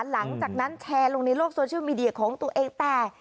หลังจากนั้นแชร์ลงในโลกโซเชียลมีเดียของตัวเองแต่